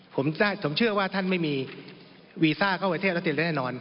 ผมเชื่อว่าท่านไม่มีวีซ่าเข้าประเทศรัสเซียแน่นอน